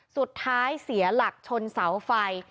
สุดท้ายเสียหลักชนเสาไฟ